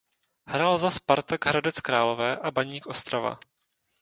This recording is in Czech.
Hrál za Spartak Hradec Králové a Baník Ostrava.